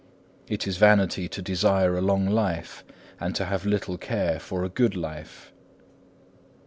It is vanity to desire a long life, and to have little care for a good life.